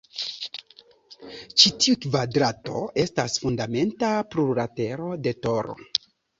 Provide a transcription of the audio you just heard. Ĉi tiu kvadrato estas fundamenta plurlatero de toro.